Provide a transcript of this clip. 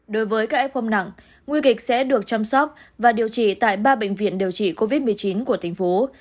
đối với các f nặng nguy kịch sẽ được chăm sóc và điều trị tại ba bệnh viện điều trị covid một mươi chín của thành phố